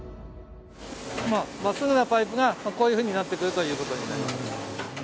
まっすぐなパイプが、こういうふうになってくるということになります。